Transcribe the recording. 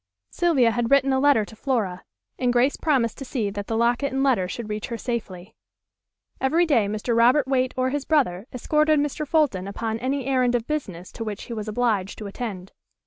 Sylvia had written a letter to Flora, and Grace promised to see that the locket and letter should reach her safely. Every day Mr. Robert Waite or his brother escorted Mr. Fulton upon any errand of business to which he was obliged to attend.